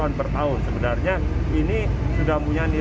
alhamdulillah untuk kebutuhan garam petani yang akan jadi kabupaten brebes